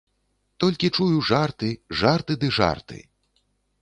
Толькі чую жарты, жарты ды жарты.